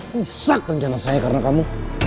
rusak rencana saya karena kamu